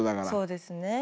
そうですね。